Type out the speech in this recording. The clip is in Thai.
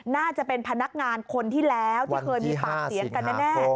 น่าจะเป็นพนักงานคนที่แล้วที่เคยมีปากเสียงกันแน่